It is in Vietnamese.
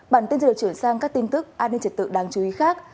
bản tin giờ chuyển sang các tin tức an ninh trẻ tự đáng chú ý khác